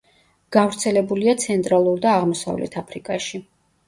გავრცელებულია ცენტრალურ და აღმოსავლეთ აფრიკაში.